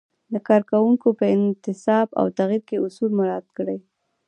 د کارکوونکو په انتصاب او تغیر کې اصول مراعت کړئ.